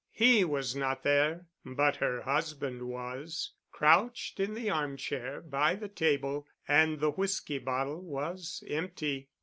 He was not there, but her husband was,—crouched in the armchair by the table and the whisky bottle was empty.